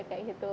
iya kayak gitu